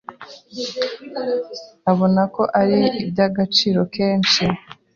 abona ko ari iry agaciro kenshi